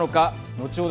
後ほど